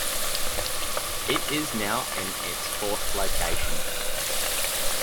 It is now in its fourth location.